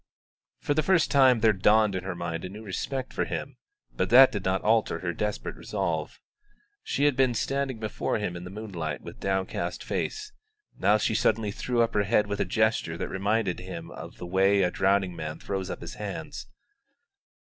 For the first time there dawned in her mind a new respect for him, but that did not alter her desperate resolve. She had been standing before him in the moonlight with downcast face; now she suddenly threw up her head with a gesture that reminded him of the way a drowning man throws up his hands.